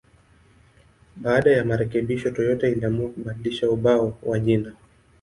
Baada ya marekebisho, Toyota iliamua kubadilisha ubao wa jina.